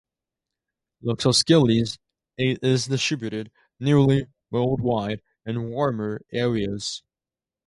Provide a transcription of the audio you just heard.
"Loxosceles" is distributed nearly worldwide in warmer areas.